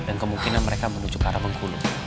dan kemungkinan mereka menuju ke arah bungku lu